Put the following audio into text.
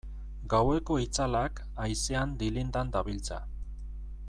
Gaueko itzalak haizean dilindan dabiltza.